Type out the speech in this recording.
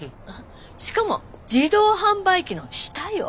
しかも自動販売機の下よ。